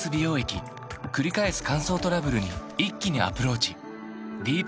くり返す乾燥トラブルに一気にアプローチ